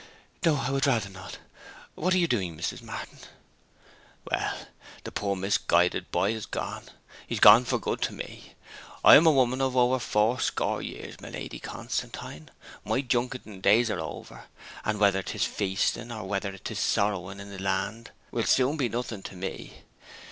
'No, I would rather not. What are you doing, Mrs. Martin?' 'Well, the poor misguided boy is gone and he's gone for good to me! I am a woman of over four score years, my Lady Constantine; my junketting days are over, and whether 'tis feasting or whether 'tis sorrowing in the land will soon be nothing to me.